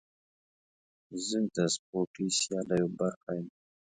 زه د سپورتي سیالیو برخه یم.